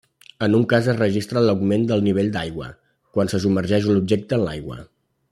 En un cas es registra l'augment del nivell d'aigua quan se submergeix l'objecte en l'aigua.